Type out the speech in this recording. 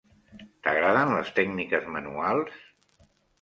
T'agraden les tècniques manuals?